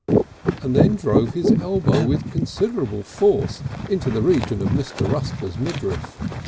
and then drove his elbow with considerable force into the region of Mr. Rusper's midriff.